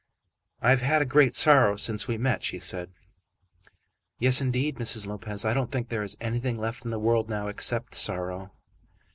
"I have had a great sorrow since we met," she said. "Yes, indeed, Mrs. Lopez. I don't think there is anything left in the world now except sorrow."